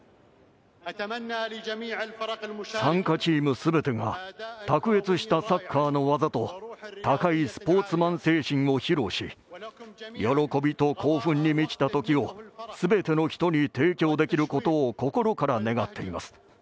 参加チームすべてが卓越したサッカーの技と高いスポーツマン精神を披露し喜びと興奮に満ちた時をすべての人に提供できることを心から願っています。